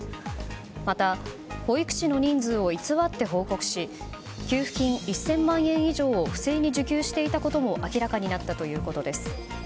また、保育士の人数を偽って報告し給付金１０００万円以上を不正に受給していたことも明らかになったということです。